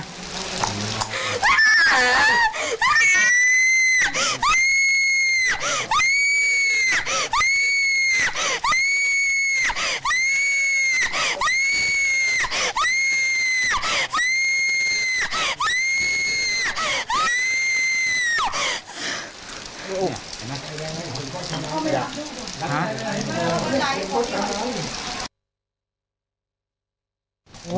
อ้าวอ้าวอ้าว